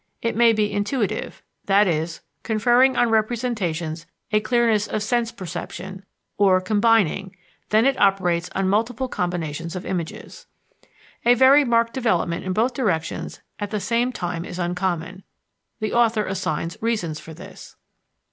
It may be intuitive, "that is, conferring on representations a clearness of sense perception," or combining; "then it operates on multiple combinations of images." A very marked development in both directions at the same time is uncommon; the author assigns reasons for this.